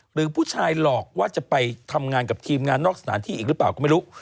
หรือผู้ชายหลอกว่าจะไปทำงานกับทีมงานนอกสถานที่อีกหรือเปล่าก็ไม่รู้